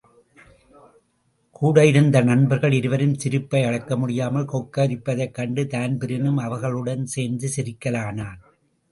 கூட இருந்த நண்பர்கள் இருவரும் சிரிப்பை அடக்கமுடியாமல் கொக்கரிப்பதைக் கண்டு, தான்பிரீனும் அவகளுடன் சேர்ந்து சிரிக்கலானான்.